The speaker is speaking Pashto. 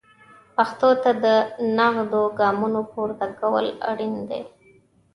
پښتو ته د نغدو ګامونو پورته کول اړین دي.